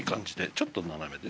ちょっと斜めで。